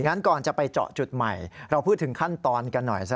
งั้นก่อนจะไปเจาะจุดใหม่เราพูดถึงขั้นตอนกันหน่อยซะ